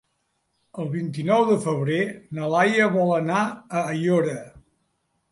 El vint-i-nou de febrer na Laia vol anar a Aiora.